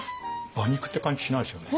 馬肉って感じしないですよね。